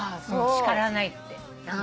叱らないって。